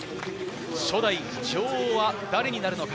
初代女王は誰になるのか。